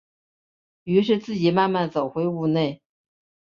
於是自己慢慢走回屋内